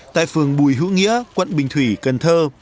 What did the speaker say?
tại phường bùi hữu nghĩa quận bình thủy cần thơ